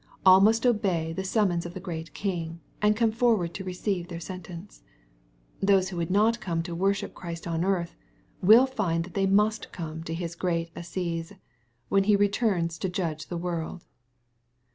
AU must obey the summons of the great King, and come forward to receive their sentence. Those who would not come to worship Christ on earth, will find they must come to His great assize, when He returns to judge the world.